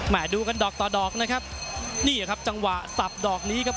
ดูกันดอกต่อดอกนะครับนี่ครับจังหวะสับดอกนี้ครับ